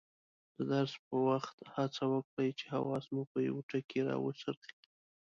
د درس په وخت هڅه وکړئ چې حواس مو په یوه ټکي راوڅرخي.